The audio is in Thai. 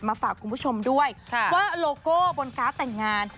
ฝากคุณผู้ชมด้วยว่าโลโก้บนการ์ดแต่งงาน